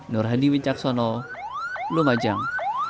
nur hadi wincaksono lumajang